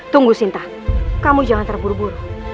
tunggu sinta kamu jangan terburu buru